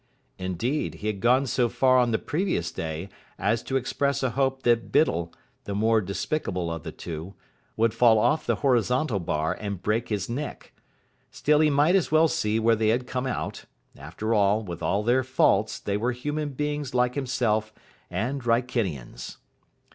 Indeed, he had gone so far on the previous day as to express a hope that Biddle, the more despicable of the two, would fall off the horizontal bar and break his neck. Still he might as well see where they had come out. After all, with all their faults, they were human beings like himself, and Wrykinians.